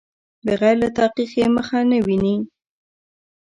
بغیر له تحقیق یې مخه نه ویني.